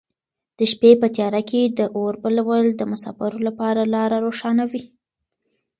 د شپې په تیاره کې د اور بلول د مساپرو لپاره لاره روښانوي.